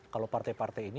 kalau partai partai ini